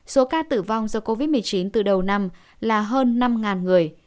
số ca tử vong do covid một mươi chín từ đầu năm là hơn năm người